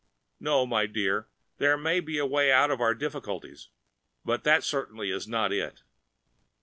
No, my dear, there may be a way out of our difficulties, but that certainly is not it."